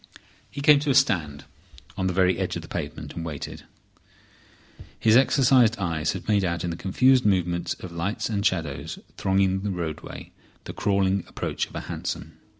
He came to a stand on the very edge of the pavement, and waited. His exercised eyes had made out in the confused movements of lights and shadows thronging the roadway the crawling approach of a hansom.